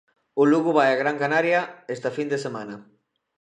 O Lugo vai a Gran Canaria esta fin de semana.